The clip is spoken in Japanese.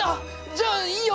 じゃあいいよ。